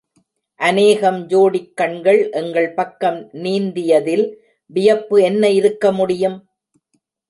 அநேகம் ஜோடிக் கண்கள் எங்கள் பக்கம் நீந்தியதில் வியப்பு என்ன இருக்க முடியும்?